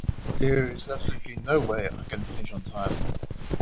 There is absolutely no way I can finish on time.